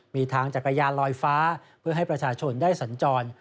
มีทางจักรยานลอยฟ้าเพื่อให้ประชาชนได้สัญจร